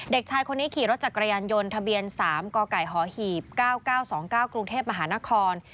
เด็กชายคนนี้ขี่รถจักรยานยนต์ทะเบียน๓กไก่หหีบ๙๙๒๙กรุงเทพมหานคร